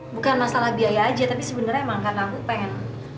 bukan masalah biaya aja tapi sebenarnya emang karena aku pengen